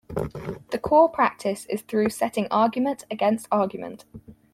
The core practice is through setting argument against argument.